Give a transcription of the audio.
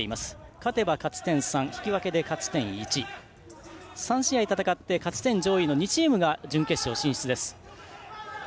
勝てば勝ち点３、引き分けで１３試合戦い勝ち点上位の２チームが準決勝進出です。